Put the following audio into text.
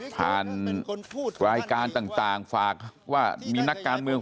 ผ่านรายการต่างฝากว่ามีนักการเมือง